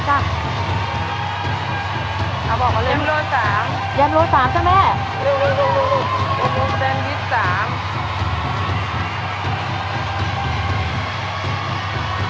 เยลเฟิร์ดแท่ง๓